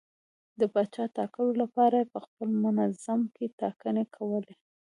د پاچا ټاکلو لپاره یې په خپل منځ کې ټاکنې کولې.